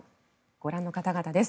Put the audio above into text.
ご覧の方々です。